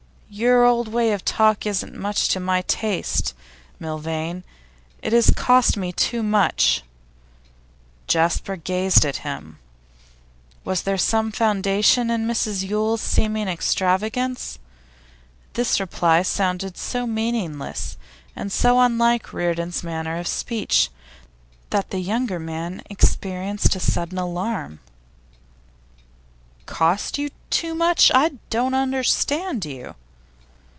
'Your old way of talk isn't much to my taste, Milvain. It has cost me too much.' Jasper gazed at him. Was there some foundation for Mrs Yule's seeming extravagance? This reply sounded so meaningless, and so unlike Reardon's manner of speech, that the younger man experienced a sudden alarm. 'Cost you too much? I don't understand you.